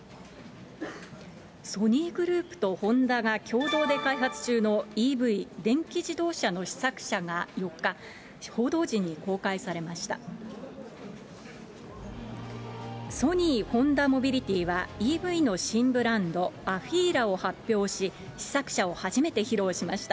ソニーグループとホンダが共同で開発中のＥＶ・電気自動車の試作車が４日、報道陣に公開されました。